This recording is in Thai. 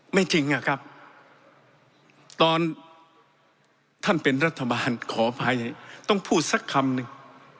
ไม่จริงอะครับตอนท่านเป็นรัฐบาลขออภัยต้องพูดสักคำหนึ่ง